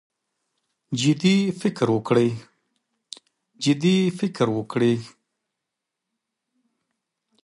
جدي فکر وکړي.